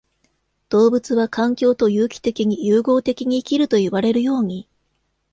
動物は環境と有機的に融合的に生きるといわれるように、